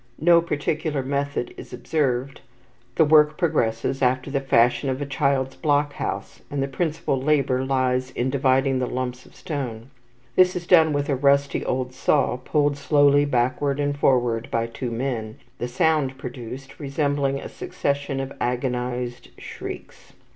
No particular method is observed, the work progresses after the fashion of a child's block house, and the principal labour lies in dividing the lumps of stone. This is done with a rusty old saw pulled slowly backward and forward by two men, the sound produced resembling a succession of agonized shrieks.